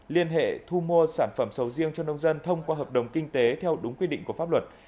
liên hệ thu mua sản phẩm sầu riêng cho nông dân thông qua hợp đồng kinh tế theo đúng quy định của pháp luật